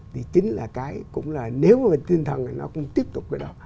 thì chính là cái cũng là nếu mà tinh thần nó cũng tiếp tục cái đó